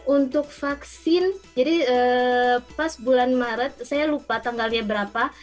untuk vaksin jadi pas bulan maret saya lupa tanggalnya berapa